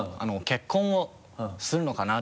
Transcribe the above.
結婚をするのかな？